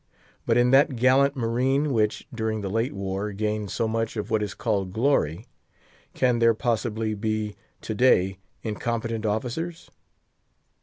But in that gallant marine, which, during the late war, gained so much of what is called glory, can there possibly be to day incompetent officers?